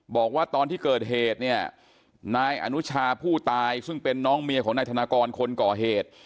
บอกว่าตอนที่เกิดเหตุเนี่ยนายอนุชาผู้ตายซึ่งเป็นน้องเมียของนายธนากรคนก่อเหตุ